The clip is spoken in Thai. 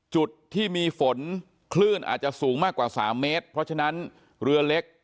จุดที่มีฝนคลื่นอาจจะสูงมากกว่าสามเมตรเพราะฉะนั้นเรือเล็ก